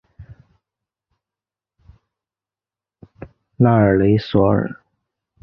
拉尔雷索尔。